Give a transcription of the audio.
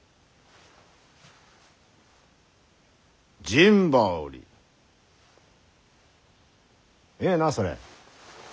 陣羽織ええなそれ。